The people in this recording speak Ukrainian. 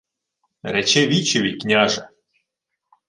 — Речи вічеві, княже!